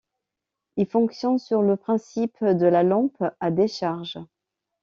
Il fonctionne sur le principe de la lampe à décharge.